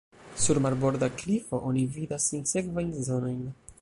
Sur marborda klifo oni vidas sinsekvajn zonojn.